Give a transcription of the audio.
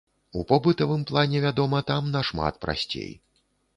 У побытавым плане, вядома, там нашмат прасцей.